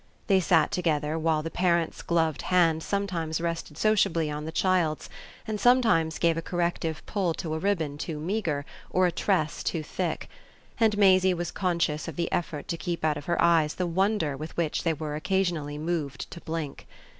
They sat together while the parent's gloved hand sometimes rested sociably on the child's and sometimes gave a corrective pull to a ribbon too meagre or a tress too thick; and Maisie was conscious of the effort to keep out of her eyes the wonder with which they were occasionally moved to blink.